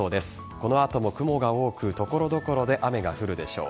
この後も雲が多く所々で雨が降るでしょう。